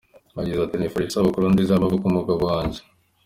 Yagize ati “Nifurije isabukuru nziza y’amavuko umugabo wanjye.